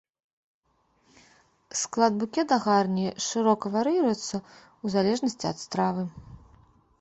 Склад букета гарні шырока вар'іруецца ў залежнасці ад стравы.